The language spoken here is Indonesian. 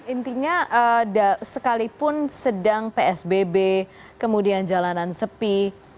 intinya sekalipun sedang psbb kemudian jalanan sepi